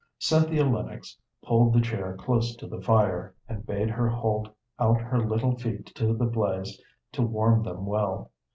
Cynthia Lennox pulled the chair close to the fire, and bade her hold out her little feet to the blaze to warm them well.